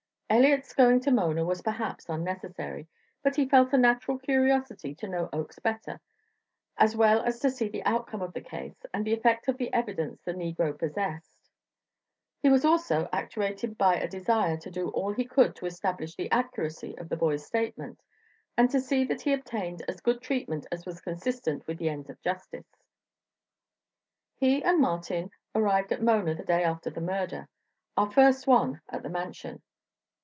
Elliott's going to Mona was perhaps unnecessary, but he felt a natural curiosity to know Oakes better, as well as to see the outcome of the case and the effect of the evidence the negro possessed. He was also actuated by a desire to do all he could to establish the accuracy of the boy's statement, and to see that he obtained as good treatment as was consistent with the ends of justice. He and Martin arrived at Mona the day after the murder our first one at the Mansion.